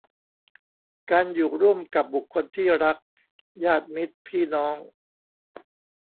การอยู่ร่วมกับบุคคลที่รัก ญาติมิตรพี่น้อง